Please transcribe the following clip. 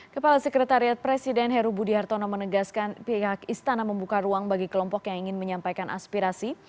kepala sekretariat presiden heru budi hartono menegaskan pihak istana membuka ruang bagi kelompok yang ingin menyampaikan aspirasi